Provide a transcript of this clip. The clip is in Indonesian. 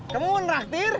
kamu mau traktir